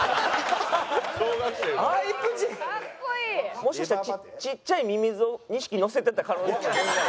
もしかしたらちっちゃいミミズを２匹のせてた可能性。